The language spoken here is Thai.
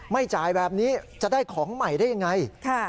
ไม่จ่ายแบบนี้จะได้ของใหม่ได้ยังไง